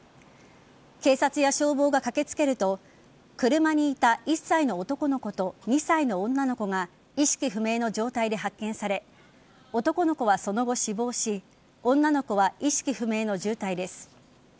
警察や消防が駆けつけると車にいた１歳の男の子と２歳の女の子が意識不明の状態で発見され男の子はその後、死亡し女の子は意識不明の重体です。